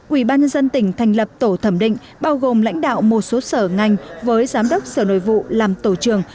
ủy ban nhân dân tỉnh thành lập tổ thẩm định bao gồm lãnh đạo một số sở ngành với giám đốc sở nội vụ làm tổ trường